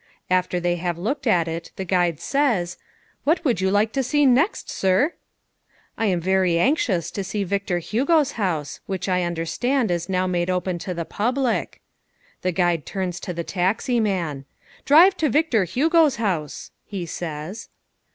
After they have looked at it the guide says, "What would you like to see next, sir?" "I am very anxious to see Victor Hugo's house, which I understand is now made open to the public." The guide turns to the taxi man. "Drive to Victor Hugo's house," he says.